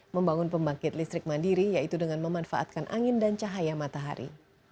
membangun pembangkit listrik mandiri yaitu dengan memanfaatkan angin dan cahaya matahari